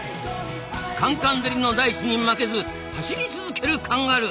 カンカン照りの大地に負けず走り続けるカンガルー。